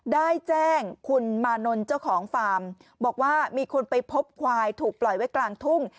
ได้แจ้งคุณมานนท์เจ้าของฟาร์มบอกว่ามีคนไปพบควายถูกปล่อยไว้กลางทุ่ง